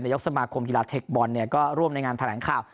ระยกสมาคมกีฬาเทคบอลเนี่ยก็ร่วมในงานทางแหล่งข้าว